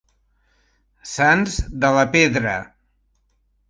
Sants de la pedra.